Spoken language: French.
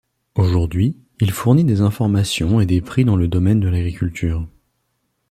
Aujourd'hui, il fournit des informations et des prix dans le domaine de l'agriculture.